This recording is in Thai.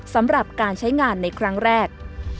สำหรับการใช้งานในครั้งแรก